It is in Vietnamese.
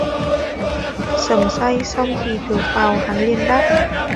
Xẩm Say xong thì thở phào hắn liền đáp